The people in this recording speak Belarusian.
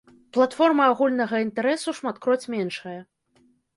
Платформа агульнага інтарэсу шматкроць меншая.